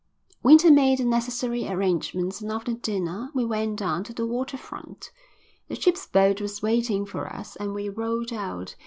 Winter made the necessary arrangements and after dinner we went down to the water front. The ship's boat was waiting for us and we rowed out.